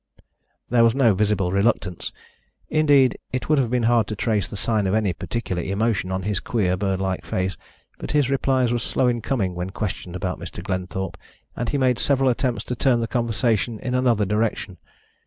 There was no visible reluctance indeed, it would have been hard to trace the sign of any particular emotion on his queer, bird like face but his replies were slow in coming when questioned about Mr. Glenthorpe, and he made several attempts to turn the conversation in another direction.